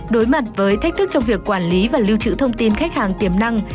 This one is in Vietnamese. đối mặt với thách thức trong việc quản lý và lưu trữ thông tin khách hàng tiềm năng